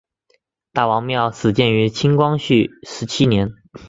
大王庙始建于清光绪十七年。